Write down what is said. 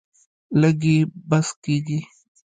لږ یې بس کیږي.